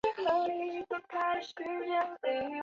临江市的工业区和经济开发区位于三道沟河流域内。